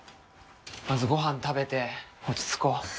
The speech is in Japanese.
まずごはん食べて落ち着こう。